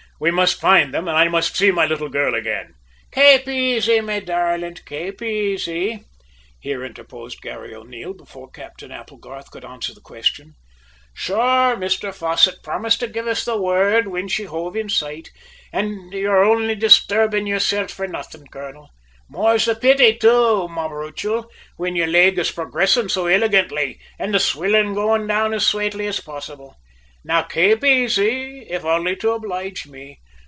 We must find them, and I must see my little girl again!" "Kape aisy, me darlint; kape aisy," here interposed Garry O'Neil, before Captain Applegarth could answer the question. "Sure, Mr Fosset promised to give us the worrd whin she hove in sight, an' you're only distarbin' yoursilf for nothing, colonel! More's the pity, too, mabruchal, whin your leg is progressin' so illigantly an' the swillin' goin' down as swately as possible. Now kape aisy, if only to oblige me.